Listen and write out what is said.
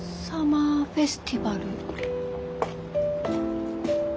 「サマーフェスティバル」？